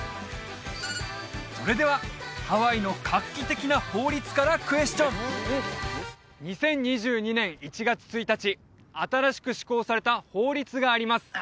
それではハワイの画期的な法律からクエスチョン２０２２年１月１日新しく施行された法律があります